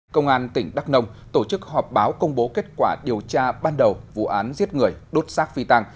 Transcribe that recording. công an tỉnh đắk nông tổ chức họp báo công bố kết quả điều tra ban đầu vụ án giết người đốt xác phi tăng